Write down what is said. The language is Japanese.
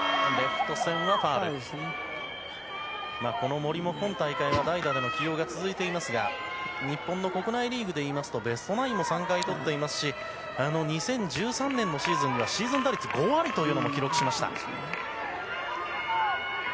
森も今大会は代打での起用が続いていますが日本の国内リーグでいいますとベストナインも３回とっていますし２０１３年のシーズンにはシーズン打率５割も記録しました。